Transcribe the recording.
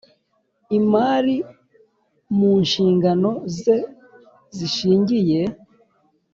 Imari mu nshingano ze bishingiye